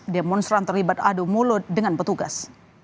demonstran terlibat adu mulut dengan petugas